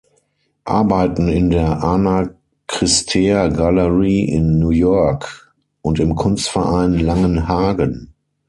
Arbeiten in der Ana Cristea Gallery in New York und im Kunstverein Langenhagen.